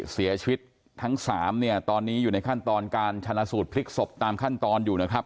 เสียชีวิตทั้งสามเนี่ยตอนนี้อยู่ในขั้นตอนการชนะสูตรพลิกศพตามขั้นตอนอยู่นะครับ